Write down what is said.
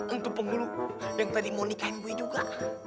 untuk penghulu yang tadi mau nikahin gue juga